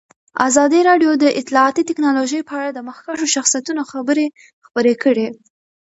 ازادي راډیو د اطلاعاتی تکنالوژي په اړه د مخکښو شخصیتونو خبرې خپرې کړي.